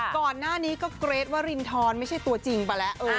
ก่อนหน้านี้ก็เกรทวรินทรไม่ใช่ตัวจริงไปแล้ว